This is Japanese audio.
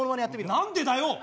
何でだよ！？